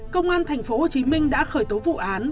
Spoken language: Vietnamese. công an tp hcm đã khởi tố vụ án